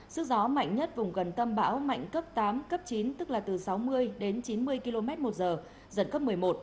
sức gió mạnh nhất vùng gần tâm bão mạnh cấp tám cấp chín tức là từ sáu mươi đến chín mươi km một giờ giật cấp một mươi một